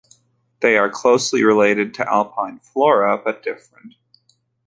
They are closely related to alpine flora, but different.